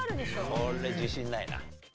これ自信ないな。